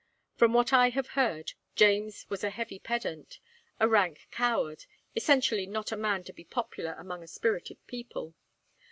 From what I have heard, James was a heavy pedant, a rank coward, essentially not a man to be popular among a spirited people.